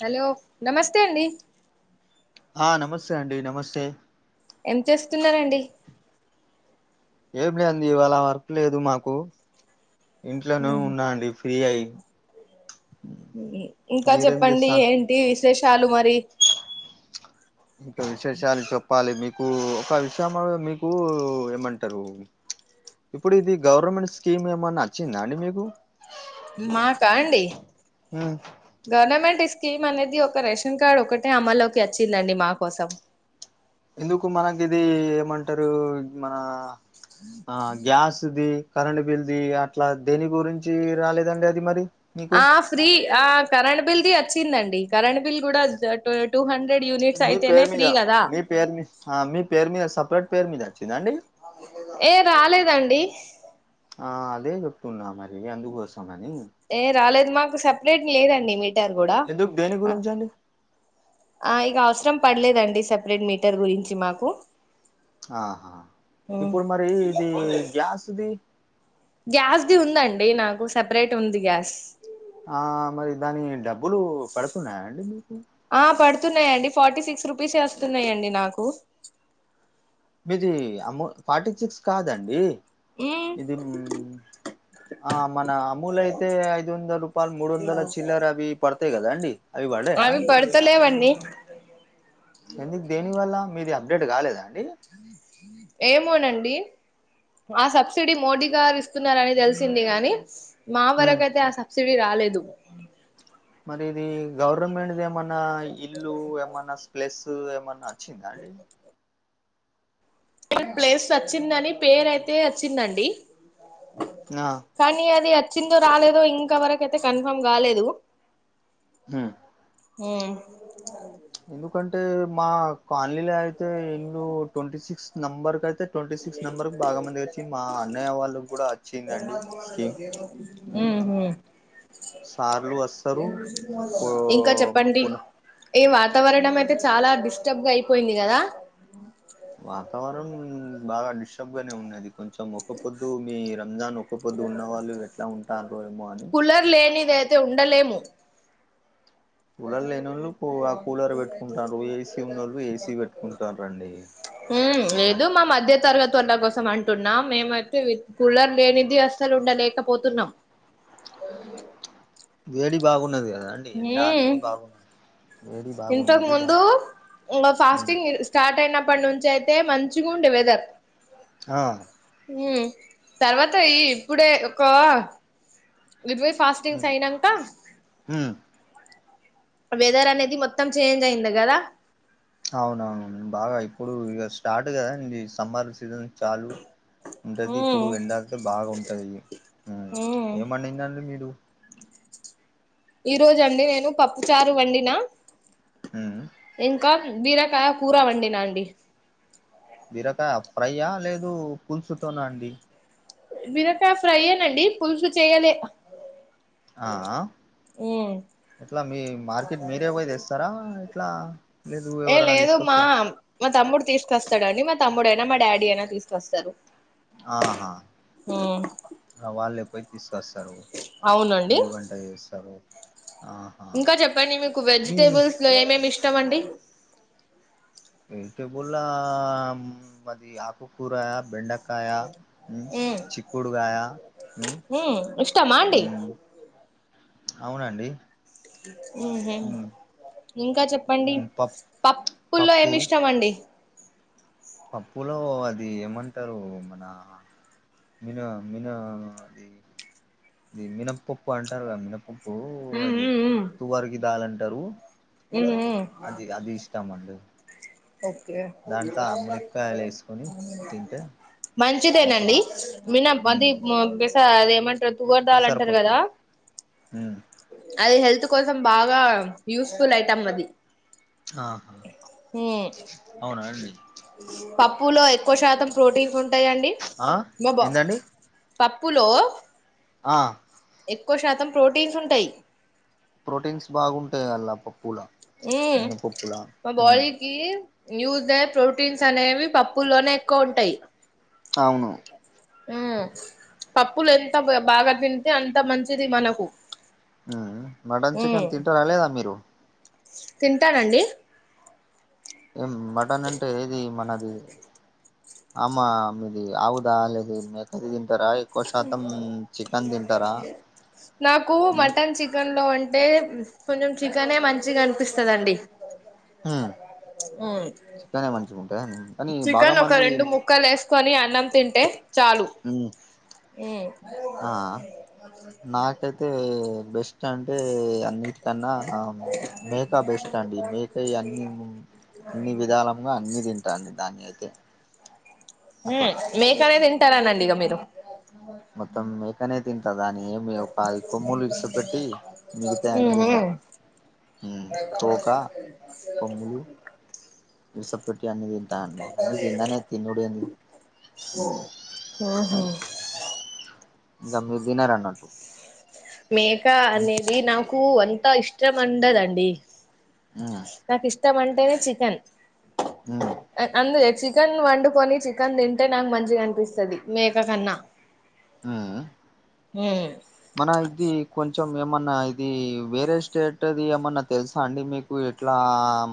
Hello నమస్తే అండి ఆ నమస్తే అండి నమస్తే ఎం చేస్తున్న రండి ఏం లేదండి ఇవ్వాళ వర్క్ లేదు మాకు ఇంట్లోనే ఉన్నా అండి ఫ్రీగై ఇంకా చెప్పండి చేస్తారు ఏంటి విశేషాలు మరి ఇంకా విశేషాలు చెప్పాలి మీకూ ఒక విషయంలో మీకూ ఏమంటరు ఇప్పుడు ఇది గవర్నమెంట్ స్కీమ్ ఏమన్నా అచ్చిందా అండి మీకు మాకా అండి ఉమ్, గవర్నమెంట్క స్కీమ్ అనేది ఒక రేషన్ కార్డ్ ఒకటే అమల్లోకి వచ్చిందండి మా కోసం ఎందుకు మనకి ఇది ఏమంటారు మన ఆ గ్యాస్ ది కరెంు బిల్ది అట్లా దేని గురించి రాలేదండి అది మరి మీకు ఆ ఫ్రీ ఆ కరెంట్ బిల్దిి అ వచ్చిందండి కరెంట్ బిల్ కూడా టూ హండ్రెడ్ యూనిట్స్ మీ అయితేనే పేరు మీద ఫ్రీ కదా మీ పేరు మీ మీ పేరు మీద సపరేట్ పే మీద వచ్చిందండి ఏ రాలేదండి ఆ అదే చెప్తున్నా మరి అందుకోస్తు సనే ఏ రాలేదు మాకు సెపరేట్ లేదండి మీటర్ కూడా ఎందుకు దేని గురించి అండి ఇక అవసరం పడలేదండి సెపరేట్ మీటర్ గురించి మాకు ఆహా ఇప్పుడు మరి ఇది గ్యాస్ది గ్యాస్దిి ఉందండి నాకు సెపరేట్ ఉంది గ్యాస్ ఆ మరి దాని డబ్బు బబ్బులు పెడుతున్నాయా అండి మీకు వన్నాయండి ఫార్టీ సిక్స్ రూపీస్ వస్తున్నాయండి నాకు మీది అమో ఫార్టీ సిక్స్ కాదండి మ్మ్ ఇది ఆ మన అమూలు అయితే ఐదు వందల రూపాయలు మూడు వందల చిల్లర్ అవి పడుత అంతే కదా అండి అవి పడ్డాయా అవి అండి పడుతలేవండి అ ఎందుకు దేని వల్ల మీది అప్డేట్ కాలేదా అండి ఏమోనండి ఆ సబ్సిడీ మోడీ గారు ఇస్తున్నారని తెలిసింది గాని మా ఉమ్ వరకు అయితే ఆ సబ్స సిడి రాలేదు మరి ఇది గవర్నమెంట్ది ఏమన్నా ఇల్లు ఏమన్నా స్ప్లెస్ ఏమన్నా వచ్చింది అండి ప్లేస్ వచ్చిందని పేరు అయితే వచ్చిందండి ఆ కానీ అది చిిందో రాలేదో ఇంకావరక అయితే కన్ఫర్మ్ కాలేదు హ ఏ ఎందుకంటే మా కాలనీలో అయితే ఇల్లు ట్వంటీ సిక్స్ నంబర్ క అయితే ట్వంటీ సిక్స్ నెంబర్ బాగా మంది వచ్చి మా అన్నయ్య వాళ్ళకి కూడా వచ్చిందండి స్కీమ్ మ్మ్ హ్మ్ సార్లు వస్తారు పో ఇంకా చెప్పండి పున ఈ వాతావరణం అయితే చాలా డిస్టర్బ్ గా అయిపోయింది కదా వతావరణ బాగా డిస్టర్బ్ గానే ఉన్నాంది కొంచెం ఒక పొద్దు మీ రంజాన్ ఒక పొద్దు ఉన్న వాళ్ళు ఎట్లా ఉంటారుో ఏమో అని కూలర్ లేనిదయితే ఉండలేము కూలర్ లేనోళ్ళు ఆ కూలర్ పెట్టుకుంటారు ఏసీ ఉన్నోళ్ళు ఏసీ పెట్టుకుంటారు అండి అట్లా లేదు మా మధ్య తరగతి తల కోసం అంటున్నా మేమైతే కులర్ లేనిది అసలుండలేకపోతున్నాం ఇకు నదయా [inaudible] ఇంతక్ ముందు మ్మ్ ఉమ్. ఫాస్టింగ్ స్టార్ట్ అయిన అప్పడ్నుంచి అయితే మంచిగుండే వెదర్ హా మ్మ్ తర్వాత ఈ ఇప్పుడే ఒక ఇరవై ఫాస్టింగ్స్ ఉమ్ అయినాంక ఉమ్ అ వెదర్ అనేద్ ఇది మొత్తం చేంజ్ అయింది గదా అవును ఆవును బాగా ఇప్పుడు ఇగ స్టార్ట్ కదాండి సమ్మర్ సీజన్ చాలు ఉంటది ఉమ్ ఇప్పుడు ఎండాగ్తే బాగుంటది మ్మ్ ప్చ్ ఉమ్ ఏమండిందండి మీరు. ఈ రోజు అండి నేను పప్పు చారు వండినా హ్మ్ ఇంకా బీరకాయ కూర వండినాండి బిరకాయ ఫ్రైయా లేదు పులుసుతోన అండి బీరకాయ ఫ్రైయేనండి పులుసు చెయ్యలే ఆ ఎట్లా మీ మార్కెట్ మీరే పోయ్ తెస్సారా, ఎట్లా లేదు ఏ ఎవరన లేదు మా తీసుకొస్సర్ మా తమ్ముడు ప్చ్. తీసుకొస్తాడండి మా తమ్ముడైనా మా డాడీ అయినా తీసుకొస్తరు ఆహా ఆ వాళ్ళే పోయ్ తస్సరు అవునండి మీరు వంట ఏస్సరు ఇంకా చెప్పండి మీకు మీ వెజిటేబుల్స్ లో ఏమేమి ఇష్ టమండి వెజిటేబుల్లా మది ఆకు కూరా బెండ కాయా మ్మ్, ఉమ్ చిక్కుడుగాయా మ్మ్, ఉమ్ ఇష్టమా అండి హ్మ్. అవునండి మ్మ్ హ్మ్ ఇంకా చెప్పండి పప్ పప్పుల్లో పప్పు ఏమి ఇష్టం అండి పప్పులో అది ఏమంటారు మన మిన మిన అది అది మినపప్పు అంటారు గ మినప్పప్ప ఓ అది ఉమ్ తువ్వర్గి దాల్ అంటరు ఉహు అది అది ఇష్టమండి వేసుకొని తింటే మంచిగా మంచిదేనండి మినప్ అది ఉం మ బెస్. త అదేమంటర్ టువర్ దాల్ అంటారు పెసరపప్పు కదా అది హెల్త్ కోసం బాగా యూస్ఫుల్ ఐతాం అది ఆహా మ్మ్ అవునా అండి [unintelligible] పప్పులో ఎక్కువ శాతం ప్రోటీన్ ఉం ఉంటాయండి ఆ బో బో ఏందండి పప్పులో ఆ ఎక్కువ శాతం ప్రోటీన్స్ ఉంటయి. ప్రోటీన్స్ బాగుంటాయి అంల్లా ప ఉ మా ఉమ్ బాలికి న్యూ దే ప్రోటీన్స్ అనేవి పప్పుల్లోనే ఎక్కువ ఉంటాయి అవును ఉమ్ పప్పులు ఎంతా బా బాగా తింటే అంత మంచిది మనకు మటన్ చికెన్ తింటరా లేదా మీరు తింటారండి. ఏం మటన్ అంటే ఏది మనది అమ మీది ఆవుదా లేకుంటే తింటారా నాకు ఉమ్ మటన్ చికెన్ లో అంటే కొంచెం చికెన్ ఏ మంచిగా అనిపిస్తుందండి ఉమ్ ఉమ్ చికెనే మంచిగుంటదా కానీ బాగా చికెన్ ఒక మంది రెండు ముక్కలు వేసుకొని అన్నం తింటే చాలు ఉమ్ ఆ నాకైతే ఉమ్ బెస్ట్ అంటే అతే అన్నిటికన్నా మేకా బెస్ట్ అండి మేక అన్ని అన్ని విధాలుగా అన్ని తింటాడి దాని అయితే హ అట్లా మేకాలేదం ఇట్టారనండి ఇక మీరు మొత్తం మేకనే తింటా దాని ఏమి ప కొమ్ములు ఇరుస పెట్టి మిగితా అన్ని తింట ఉ తోక కొమ్ములు సప్పటికి అన్ని ట అన్ని అన్నీ తిన్ననే తినుడేంది. ఆహా ఇంకా మీరు తినరు అన్నట్టు మేక అనేది నాకూ అ త ఇష్టం అండదండి. నాకిష్టం లె ను చికెన్ అన్ని తెచ్చి చికెన్ వండుకొని చికెన్ తింటే నాకు మంచిగ అనిపిస్తది మేక కన్నా ఆ మన ఇది కొంచెం ఏమన్నా ఇది వేరే స్టేట్ ది ఏమన్నా తెలుసా అండి మీకు ఎట్లా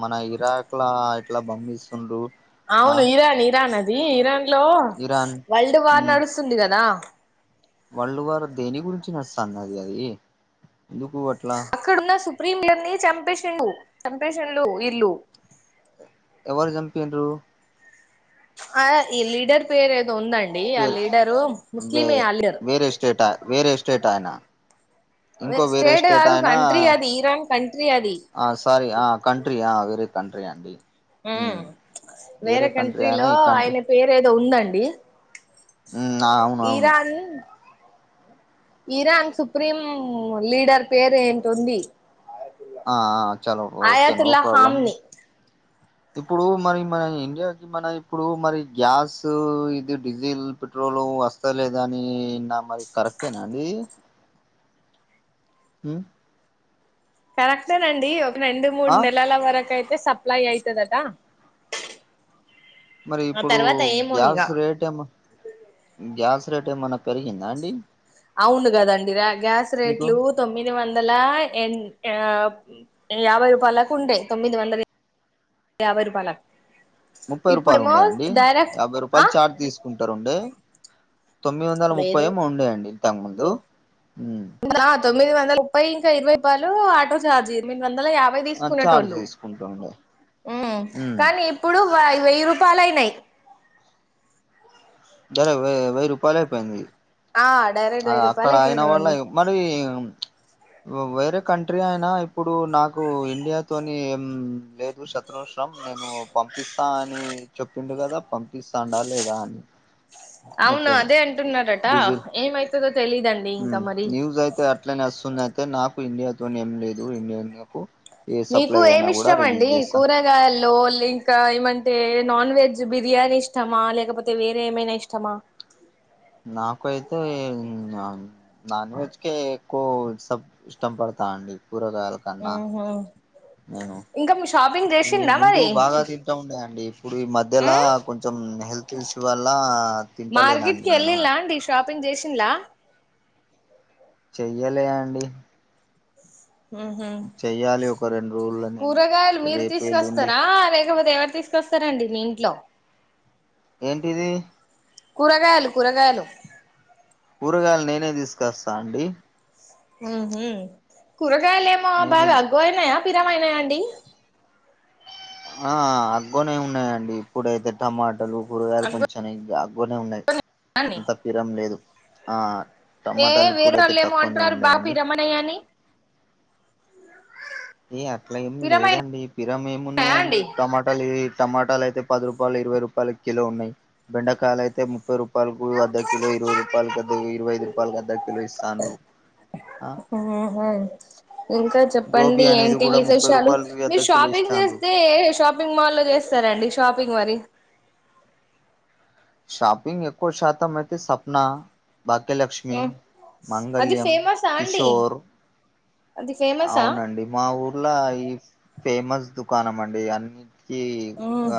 మన ఇరాక్ ల ఎట్లా పంపిస్తుండ్రు ఆ అవును ఇరాన్ ఇరాన్ అది ది ఇరాన్ ల్లో ఇరాన్ వరల్డ్ వార్ మ్ నడుస్తుంది కదా వరల్డ్ వార్ దేని గురించి నడుస్తంది అది అది ఎందుకు అట్లా ప్రీమియర్ ని చంపేషిండు చంపేషిన్లు వీళ్ళు ఎవరు చంపిన్రు ఆ ఈ లీడర్ పేరు ఏదో ఉందండి ఆ వేరే లీడరు వే ముస్లిమే ఆ లీడర్ వేరే స్టేట వేరే స్టేట్ ఆయనా అదే ఇంకో వేరే స్టేట్ కాదు అయనా కంట్రీ అది ఇరాన్ కంట్రీ అది ఆ సారీ ఆ కంట్రీ ఆ వేరే కంట్రీ అండి ఉ మ్ వేరే కంట్రీ అయినా కంట్రీలో ఈ ఆయన పేరు ఏదో ఉందండి ది ఉ అ అవును అవును ఇరాన్ సుప్రీం లీడర్ పేరు ఏంటో ఉంది ఆ ఆ చలో ఓకే నో ప్రాబ్లమ్ హామ్ని ఇప్పుడు మరి మన ఇండియాకి మన ఇప్పుడు మరి గ్యాస్ ఇది డీజిల్ పెట్రోల్ వస్తాలేదా అని నా మరి కరెక్టేనా అండి ఉ కరెక్టే అండి రెండు ఆ మూడు నెలల వరకు అయితే సప్లై అయితదట మరి ఆ ఇప్పుడు తర్వాత గ్యాస్ ఏమోనిగా రేట్ ఏమ గ్యాస్ రేట్ ఏమన్నా పెరిగిందా అండి అవును కదండి ర్యాగ్ గ్యాస్ మీకు రేట్లు తొమ్మిది వంద వందల ఎ యాభై రూపాయలకు ఉండే తొమ్మిది వందల యాభై రూపాయలకి ముప్పై రూపాయలు ఉండయండి యాభై ఆ రూపాయలు చార్ట్ తీసుకుంటారుండే తొమ్మిది వందల ముప్పై లేదు ఏమో ఉండేయండి ఇంతకముందు ఆ, తొమ్మిది వందల ముప్పై ఇంకా ఇరవై రూపాయలు ఆటోఛార్జ్ ఎనిమిది వ యాభై ఆ చార్జ్ తీసుకునేటోళ్ళు తీసుకుంటుండే ఉమ్ కానీ ఇప్పుడు వెయ్యి రూపాయాలు అయినాయి రూపాయాలు అయిపోయింది ఆ డైరెక్ట్ వెయ్యి రూపాయలు అక్కడ అయిన వాళ్ళ అయిపోయినాయండి మరి వేరే కంట్రీ అయినా ఇప్పుడు నాకు ఇండియా తోని ఏం లేదు శ షం నేను పంపిస్తా అని చెపుండు కదా పంపిస్తాండా లేదా అని అవును మెట్రల్ అదే అంటున్నారట డీజిల్ ఏమైతుందో తెలీదండి ఇంకా హ్మ్ మరి యూస్ అయితాయి అట్లానే వస్తుంది అయితే నాక్ ఇండియాతో ఏం లేదు ఇండియాన్ నెపు మీకు ఏమి ఇష్టమండి కూరగాయల్లో ఇంకా ఏమంటే నాన్ వెజ్ బిరియాని ఇష్టమా లేకపోతే వేరే ఏమైనా ఇష్టమా నాకైతే నా నాన్ వెజ్ కె ఎక్కువ ఇస్ట్ ఇష్టం పడతా అండి కూరగాయలు కన్నా ఊహు నేను ఇంకా మీ షాపింగ్ ఇ చేసిందా ముందు మరి బాగా తింటా ఉండేయండి ఇప్పుడు ఈ మధ్యలా కొంచెం హెల్త్ తీల్సు వల్ల మార్కెట్ తింటలేనండి కి నేను వెల్లిలా అండి షాప్ షాపింగ్ జేసిలా చెయ్యాలే అండి హ్మ్ హు చెయ్యాలి ఒక రెండు రోజుల్లో నేను కూరగాయలు మీరు రేపు ఎల్లుండి తీసుకొస్తారా లే ఎవరు ఎవరు తీసుకొస్తారండి మీ ఇంట్లో ఏంటిది కూరగాయలు కూరగాయలు కురగాయలు నేనే తీసుకొస్తా అండి హ్మ్ హు కూర గాయలు ఏమో నేనే బాగా అగ్గువాయినాయ పిరమైనాయాండి ఆ అగ్గోనే ఉన్నాయండి ఇప్పుడైతే టమా [unintelligible] కూరగాయలు కొంచెం నిగా బోనే ఉన్నాయి అగ్గు అంత పిరం లేదు ఆ ఏ టమాటాలు వేరే ఇప్పుడైతే వాళ్ళు ఏమో తక్కువనే అంటారు బా ఉన్నాయండి పిరమైనాయని ఏ అట్లా ఏమి లేదండి పిరమ్ ఏమి ఉన్నాయా ఉన్నాదండి అండి టమాటాలు ఎ టమాటాలు అయితే పది రూపాయలు ఇరవై రూపాయల కిలో ఉన్నాయి బెండకాయలు అయితే ము ముప్పై రూపాయలకు అర్ధ కిలో ఇరవై రూపాయలకి అర్ద ఇరవై ఐదు రూపాయలకి అర్ధ కిలో ఇస్తాంరు ఆహా ఇంకా చెప్పండి ఏంటి విశేషాలు అర్ధ మీరు కిలో షాపింగ్ ఇస్తాండ్రు చేస్తే షాపింగ్ మాల్లో చేస్తారండి షాప్ [unintelligible] మరి షాపింగ్ ఎక్కువ శాతం అయితే సప్నా భాగ్యలక్ష్మి అది మంగళ్యం ఫేమసా అండి కిషోర్ అది ఫేమసా అవునండి మా ఊర్లో ఈ ఫేమస్ దుకాణం అండి అన్ ఈ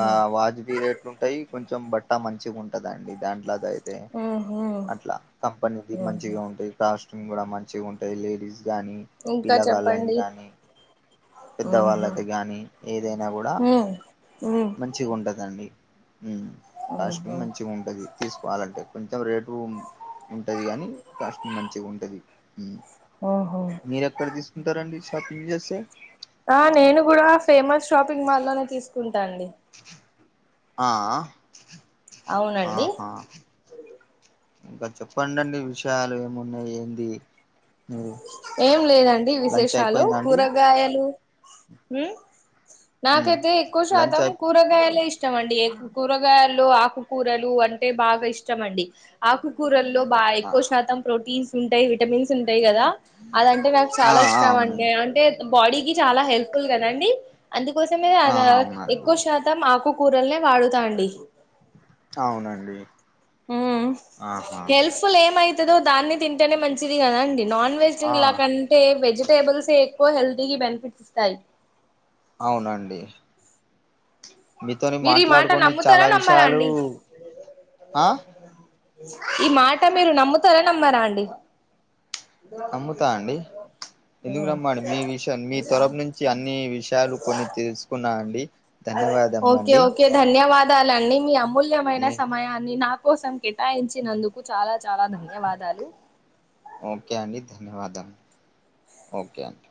ఆ వాజ్ పిరెట్ ఉంటాయి కొం కొంచం బట్టా మంచిగా ఉంటదండి దాంట్ల సై దే ఉహు అట్లా కంపెనీది మంచిగా ఉంటయి కస్ట్ ఉంగుడా మంచిగా ఉంటాయి లేడీస్ కానీ ఇంకా పిల్లగాలయి చెప్పండి గానీ ఉహు పెద్దవాళ్ళది గానీ ఏదైనా గూడా ఉమ్ ఉమ్ మంచ్ ఉంటదండి ఉమ్ కాస్ట్ ఉహు మంచ్ ఉంటది తీసుకోవాలంటే కొంచెం రేటు ఉంటది కానీ క్యాస్ట్ మంచిగా ఉంటది ఉహు మీరెక్కడ తీసు ఇంతరండి షాపింగ్ చేస్తే ఆ నేను కూడా ఫేమస్ షాపింగ్ మాల్లోనే తీసుకుంటా అండి ఆ అ అవునండి ఆహా ఇంకా చెపండండి విషయాలు ఏమున్నాయి ఏంది మీరు ఏం లేదండి లంచ్ విసేషాలు అయిపోయిందా అండి కూరగాయలు ఉమ్ ఉమ్ నాకైతే ఎక్కువ లంచ్ శాతం అయిపో కూరగాయల్ ఇస్ట్ ఇష్టమండి ఏక్ కూరగాయలల్లో ఆకుకూరలు అంటే బాగా ఇష్టం అండి ఆకుకూరల్లో బా ఆ ఎక్కువ శాతం ప్రోటీన్స్ ఉంటాయి విటమిన్స్ ఉంటాయి కదా అదంటే నాకు ఆ చాలా ఇష్టం అండి అవునండి అంటే బాడీకిి చాలా హెల్ ఫుల్ కదాండి అందుకోసమే ఆ అదద్ అవునండి ఎక్కువ శాతం ఆకు కూరల్నే వాడుతాండి అవునండి ఉమ్మ్ ఆహా హెల్ ఫుల్ ఏమయిత్ ఇతదో దాన్ని తింటేనే మంచిది కదా అండి నాన్ ఆ వెజింగ్లా కంటే వెజిటేబుల్స్ హే ఎక్కువ హెల్తీకి బెనిఫిట్స్ ఇస్తాయి అవునండి మీతోని మీరు ఈ మాట మాట్లాడుకొని నమ్ముతారా చాలా నమ్మరా విషయాలు అండి ఆ ఈ మాట మీరు నమ్ముతారా నమ్మారా అండి నమ్ముతా అండి ఎందుకు నమ్మండి మీ విషయం మీ త్వరఫ నుంచి అన్ని విషయాలు కొన్ని తెలుసుకున్నా అండి ఓకే ధన్యవాదములండి ఓకే ధన్యవాద దాలండి మీ అమ్ మూల్యమైన మీ సమయాన్ని నా కోసం కేటాయించినందుకు చాలా చాలా ధన్యవాదాలు ఓకే అండి ధన్యవాద ఓకే అడి